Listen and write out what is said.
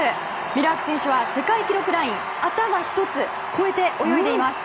ミラーク選手は世界記録ライン頭一つ越えて泳いでいます。